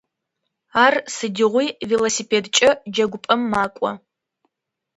Ар сыдигъуи велосипедкӏэ джэгупӏэм мэкӏо.